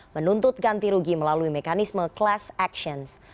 menuntut ganti rugi melalui mekanisme class actions